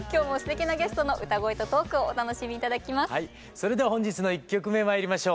それでは本日の１曲目まいりましょう。